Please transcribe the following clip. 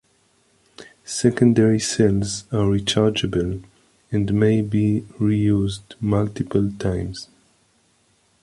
Secondary cells are rechargeable, and may be reused multiple times.